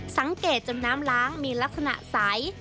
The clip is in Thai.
สังเกตจนน้ำล้างมีลักษณะใส